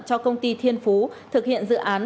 cho công ty thiên phú thực hiện dự án